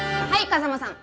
風真さん。